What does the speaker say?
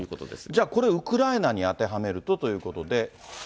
じゃあこれ、ウクライナに当てはめるとということで。